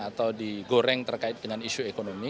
atau digoreng terkait dengan isu ekonomi